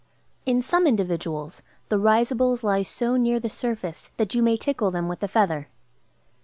In some individuals the risibles lie so near the surface that you may tickle them with a feather.